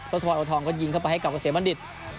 ศพรโอทองก็ยิงเข้าไปให้กับเกษมบัณฑิต